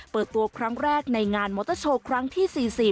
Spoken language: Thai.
เปิดตัวครั้งแรกในงานมอเตอร์โชว์ครั้งที่๔๐